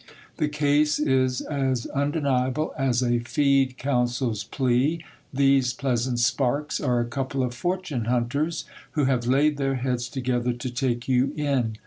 The case is as undeniable as a feed counsel's plea ; these pleasant sparks are a couple of fortune hunters, who have laid their heads together to take you in.